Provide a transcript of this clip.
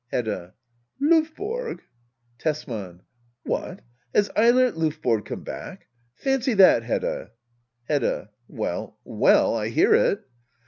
Hedda. Lovborg ! Tesman. What ! Has Eilert L5vborg come back ? Fancy that, Hedda ! Hedda. Well well— I hear it.